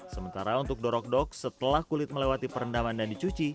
sementara untuk dorok dok setelah kulit melewati perendaman dan dicuci